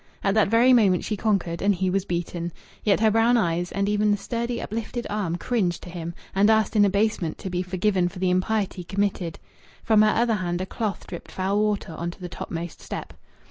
At that very moment she conquered, and he was beaten. Yet her brown eyes and even the sturdy uplifted arm cringed to him, and asked in abasement to be forgiven for the impiety committed. From her other hand a cloth dripped foul water on to the topmost step.